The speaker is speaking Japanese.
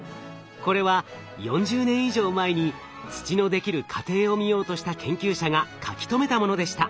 これは４０年以上前に土のできる過程を見ようとした研究者が書き留めたものでした。